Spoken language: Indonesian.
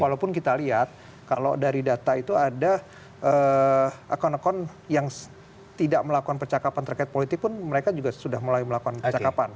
walaupun kita lihat kalau dari data itu ada akun akun yang tidak melakukan percakapan terkait politik pun mereka juga sudah mulai melakukan percakapan